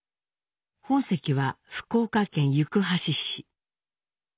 本籍は福岡県行橋市。